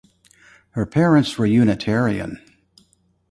Her parents were Unitarian.